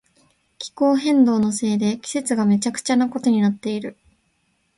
気候変動のせいで季節がめちゃくちゃなことになっている。